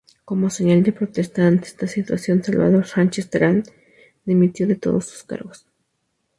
Como señal de protesta ante esta situación, Salvador Sánchez-Terán, dimitió de todos sus cargos.